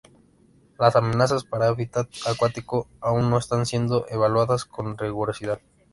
Las amenazas para hábitat acuáticos aún no están siendo evaluadas con rigurosidad.